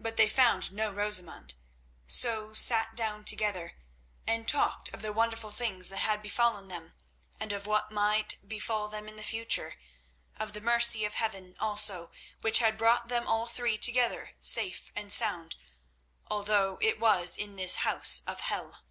But they found no Rosamund, so sat down together and talked of the wonderful things that had befallen them, and of what might befall them in the future; of the mercy of Heaven also which had brought them all three together safe and sound, although it was in this house of hell.